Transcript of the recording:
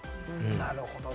なるほどな。